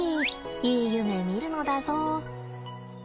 いい夢見るのだぞ。